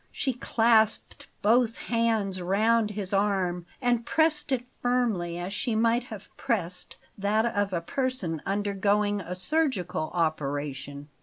She clasped both hands round his arm and pressed it firmly, as she might have pressed that of a person undergoing a surgical operation.